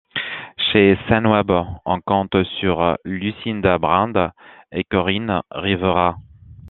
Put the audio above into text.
Chez Sunweb, on compte sur Lucinda Brand et Coryn Rivera.